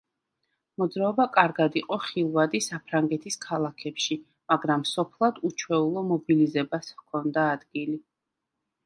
მოძრაობა კარგად იყო ხილვადი საფრანგეთის ქალაქებში, მაგრამ სოფლად უჩვეულო მობილიზებას ჰქონდა ადგილი.